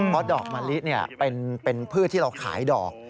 เพราะดอกมะลิเป็นพืชที่เราขายดอก